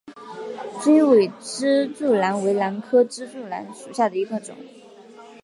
雉尾指柱兰为兰科指柱兰属下的一个种。